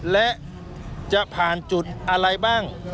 และจะผ่านจุดอะไรบ้าง